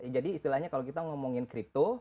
jadi istilahnya kalau kita ngomongin kripto